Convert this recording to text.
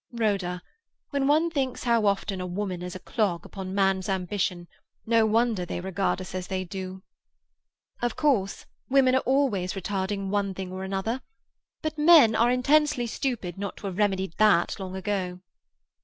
Rhoda, when one thinks how often a woman is a clog upon a man's ambition, no wonder they regard us as they do." "Of course, women are always retarding one thing or another. But men are intensely stupid not to have remedied that long ago."